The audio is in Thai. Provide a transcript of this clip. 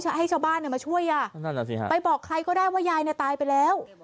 ให้เจ้าบ้านมาช่วยไปบอกใครก็ได้ว่ายายตายไปแล้ว